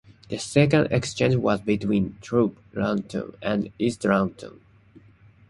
The second exchange was between Thorpe Langton and East Langton.